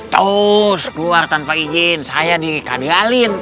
tuh keluar tanpa izin saya nih kandang alin